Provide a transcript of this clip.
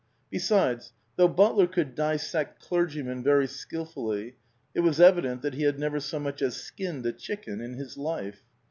Besides, though Butler could dissect clergymen very skil fully, it was evident that he had never so much as skinned a chicken in his life.